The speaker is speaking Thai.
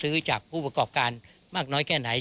ซื้อจากผู้ประกอบการมากน้อยแค่ไหน